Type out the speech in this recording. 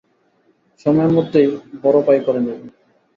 সময়ের মধ্যেই ভরপাই করে নেবো।